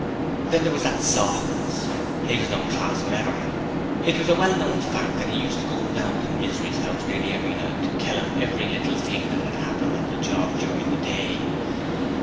Then there was that Sawkins. He was no class whatever. It was a well known fact that he used to go round to Misery's house nearly every night to tell him every little thing that had happened on the job during the day!